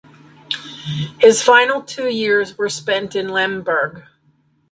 His final two years were spent in Lemberg.